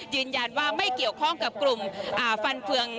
ยืนยันว่าไม่เกี่ยวข้องกับกลุ่มฟันเฟือง